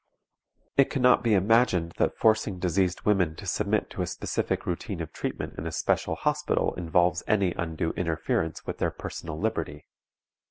It can not be imagined that forcing diseased women to submit to a specific routine of treatment in a special hospital involves any undue interference with their personal liberty.